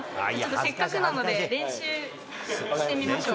せっかくなので練習してみましょう。